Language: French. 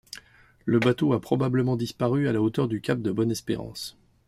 Le bateau a probablement disparu à la hauteur du cap de Bonne-Espérance.